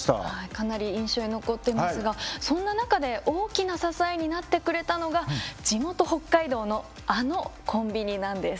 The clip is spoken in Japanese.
かなり印象に残ってますがそんな中で大きな支えになってくれたのが地元北海道のあのコンビニなんです。